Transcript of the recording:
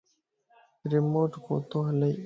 ريموٽ ڪوتو ھلئي